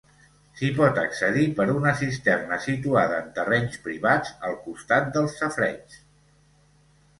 S'hi pot accedir per una cisterna situada en terrenys privats, al costat dels safareigs.